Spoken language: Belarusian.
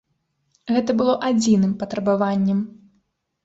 Гэта было адзіным патрабаваннем.